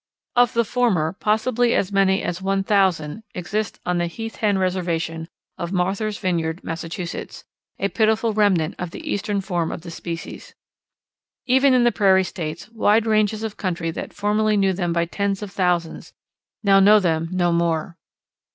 Of the former possibly as many as one thousand exist on the Heath Hen Reservation of Martha's Vineyard, Massachusetts, a pitiful remnant of the eastern form of the species. Even in the Prairie States wide ranges of country that formerly knew them by tens of thousands now know them no more.